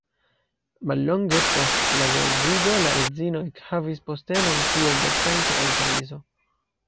Mallonge post la geedziĝo la edzino ekhavis postenon kiel docento en Parizo.